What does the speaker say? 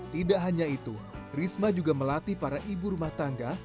tidak hanya itu risma juga melatih para ibu rumah tangga